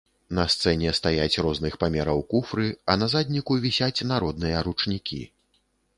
На сцэне стаяць розных памераў куфры, а на задніку вісяць народныя ручнікі.